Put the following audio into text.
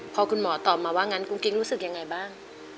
พอคุณหมอตอบมาว่างั้นกุ้งกิ๊กรู้สึกยังไงบ้าง